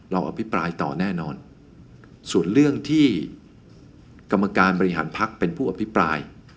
อภิปรายต่อแน่นอนส่วนเรื่องที่กรรมการบริหารพักเป็นผู้อภิปราย